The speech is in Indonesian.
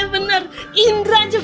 bukan karma padaku